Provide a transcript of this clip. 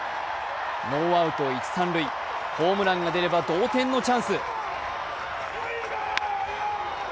ノーアウト、一・三塁、ホームランが出れば同点のチャンス。